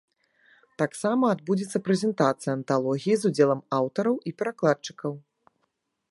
Таксама адбудзецца прэзентацыя анталогіі з удзелам аўтараў і перакладчыкаў.